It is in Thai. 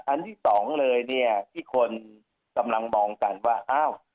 อันที่สองเลยเนี่ยที่คนกำลังมองกันว่าอ้าว